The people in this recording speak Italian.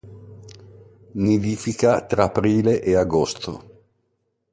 Nidifica tra aprile e agosto.